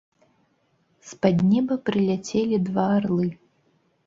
З-пад неба прыляцелі два арлы.